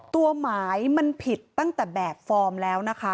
ตัวหมายมันผิดตั้งแต่แบบฟอร์มแล้วนะคะ